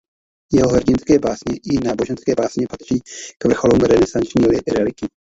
Jeho hrdinské básně i náboženské básně patří k vrcholům renesanční lyriky.